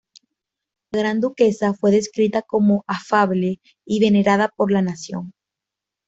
La Gran Duquesa fue descrita como afable y venerada por la nación.